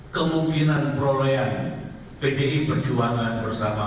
kemungkinan perolehan pdi perjuangan bersama